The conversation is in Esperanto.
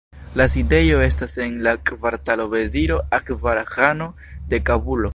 La sidejo estas en la kvartalo Veziro Akbar Ĥano de Kabulo.